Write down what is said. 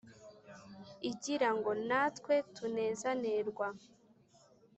igira ngo natwe tunezanerwa